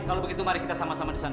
kalau begitu mari kita sama sama di sana